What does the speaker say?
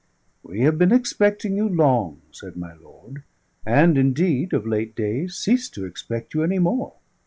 "We have been expecting you long," said my lord; "and indeed, of late days, ceased to expect you any more.